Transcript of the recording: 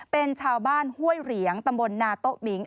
เป็นชาวบ้านห้วยเหรียงตำบลนาโต๊ะหมิง